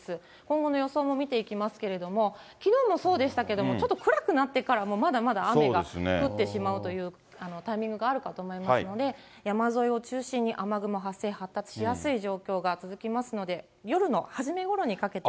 今後の予想を見ていきますけれども、きのうもそうでしたけれども、ちょっと暗くなってからもまだまだ雨が降ってしまうというタイミングがあるかと思いますので、山沿いを中心に雨雲発生、発達しやすい状況が続きますので、夜の初めごろにかけては。